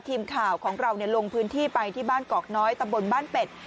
ทีมข่าวของเราลงพื้นที่ไปที่บ้านกอกน้อยตำบลบ้านเป็ด